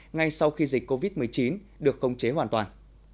ngay sau khi dịch covid một mươi chín được khống chế hoàn toàn